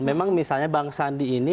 memang misalnya bang sandi ini